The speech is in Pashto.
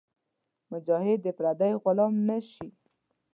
مجاهد د پردیو غلام نهشي.